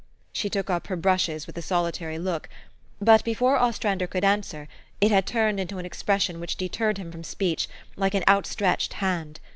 She took up her brushes with a solitary look ; but, before Ostrander could answer, it had turned into an expression which deterred him from speech, like an outstretched hand.